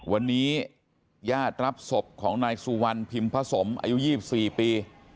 วันนี้ญาติรับศพของนายสุวรรณพิมพสมอายุ๒๔ปี